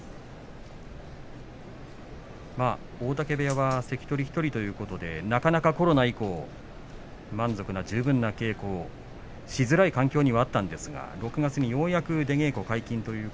大嶽部屋は関取１人ということでなかなか、コロナ以降満足な十分な稽古をしづらい環境にあったわけですが６月にようやく出稽古皆勤。